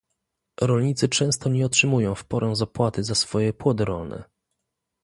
Rolnicy często nie otrzymują w porę zapłaty za swoje płody rolne